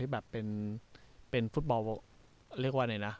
ที่แบบเป็นฟุตบอลเรียกว่าไหนนะ